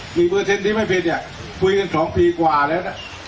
มีพอร์เซ็นต์ที่ไม่ผิดคุยกัน๒ปีกว่าแล้วนะ